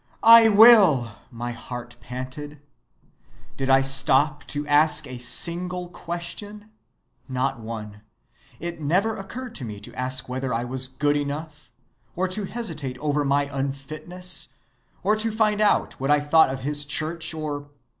'I will,' my heart panted. Did I stop to ask a single question? Not one. It never occurred to me to ask whether I was good enough, or to hesitate over my unfitness, or to find out what I thought of his church, or